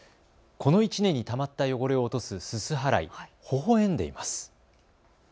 この１年にたまった汚れを落とすすす払い、ほほえんでいます。